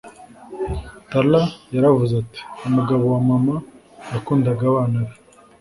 Tara yaravuze ati umugabo wa mama yakundaga abana be